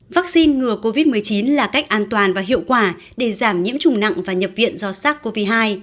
vaccine ngừa covid một mươi chín là cách an toàn và hiệu quả để giảm nhiễm trùng nặng và nhập viện do sars cov hai